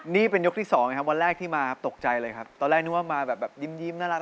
นี่เป็นยกที่สองนะครับวันแรกที่มาตกใจเลยครับตอนไม่มีว่ามาแบบแบบยิ้มยิ้ม